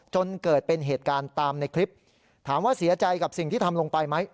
จนเกิดเป็นเหตุการณ์ตามในคลิปถามว่าเสียใจกับสิ่งที่ทำลงไปไหม